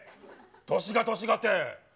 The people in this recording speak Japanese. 年が年がって！